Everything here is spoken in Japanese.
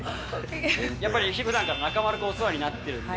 やっぱり、ふだんから中丸君、お世話になってるんで。